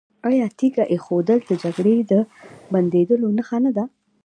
آیا تیږه ایښودل د جګړې د بندولو نښه نه ده؟